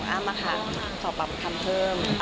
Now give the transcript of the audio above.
อ้าวมาค่ะสอบปรับคำเพิ่มค่ะ